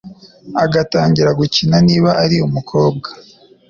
agatangira gukina niba ari umukobwa